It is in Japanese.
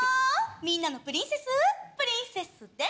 みんなのプリンセスプリンセスです！